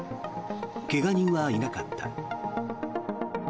怪我人はいなかった。